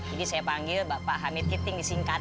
jadi saya panggil bapak hamid kiting disingkat